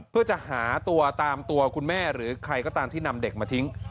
เพื่อจะหาตัวตามตัวคุณแม่หรือใครก็ตามที่นำเด็กมาทิ้ง